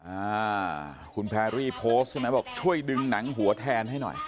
อ่าคุณแพรรี่โพสต์ใช่ไหมบอกช่วยดึงหนังหัวแทนให้หน่อย